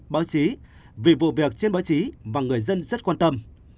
báo chí vì vụ việc trên báo chí và người dân rất quan tâm